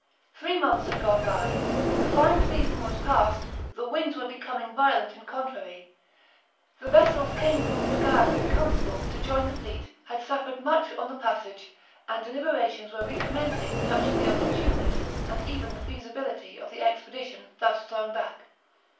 Three months had gone by; the fine season was past; the winds were becoming violent and contrary; the vessels come from Treguier with the constable to join the fleet had suffered much on the passage; and deliberations were recommencing touching the opportuneness, and even the feasibility, of the expedition thus thrown back.